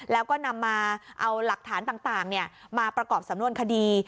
แล้วก็นำมาเอาหลักฐานต่างมาประกอบสำนวนคดี